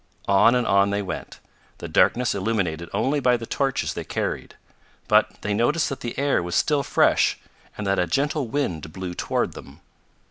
On and on they went, the darkness illuminated only by the torches they carried. But they noticed that the air was still fresh, and that a gentle wind blew toward them.